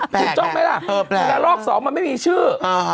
พิจารณ์ลอก๒มันไม่มีชื่อ